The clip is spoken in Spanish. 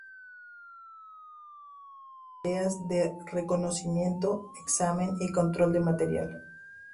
Se realizan tareas de reconocimiento, examen y control de material.